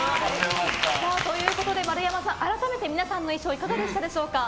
丸山さん、改めて皆さんの衣装いかがでしたでしょうか。